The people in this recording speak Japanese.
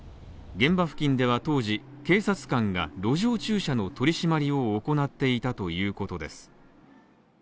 現場付近では当時、警察官が路上駐車の取り締まりを行っていたということです。